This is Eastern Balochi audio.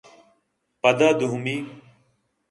پدا دومی